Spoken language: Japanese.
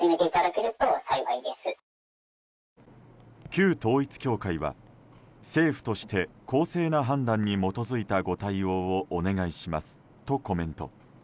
旧統一教会は政府として公正な判断に基づいたご対応をお願いしますとコメント。